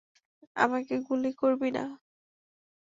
আমাকে গুলি করবি না!